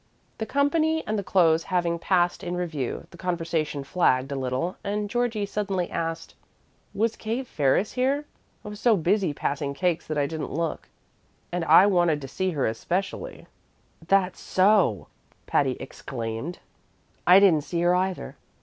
The company and the clothes having passed in review, the conversation flagged a little, and Georgie suddenly asked: "Was Kate Ferris here? I was so busy passing cakes that I didn't look, and I wanted to see her especially!" "That's so!" Patty exclaimed. "I didn't see her, either.